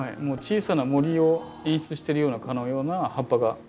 もう小さな森を演出してるかのような葉っぱが。